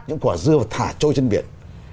những quả dưa và thả trôi trên biển